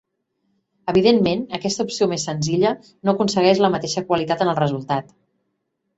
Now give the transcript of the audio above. Evidentment, aquesta opció més senzilla, no aconsegueix la mateixa qualitat en el resultat.